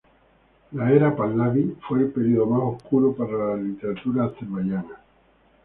La era Pahlavi fue el período más oscuro para la literatura azerbaiyana.